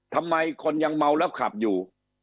ทำไมคนยังเมาแล้วขับอยู่